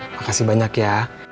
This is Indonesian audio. makasih banyak ya